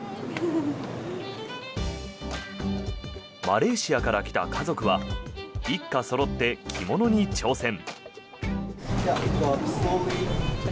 マレーシアから来た家族は一家そろって着物に挑戦。